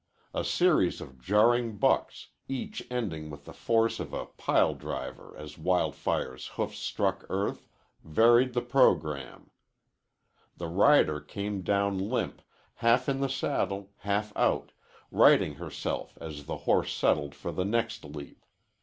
A series of jarring bucks, each ending with the force of a pile driver as Wild Fire's hoofs struck earth, varied the programme. The rider came down limp, half in the saddle, half out, righting herself as the horse settled for the next leap.